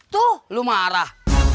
tuh lu marah